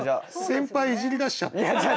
先輩いじりだしちゃった。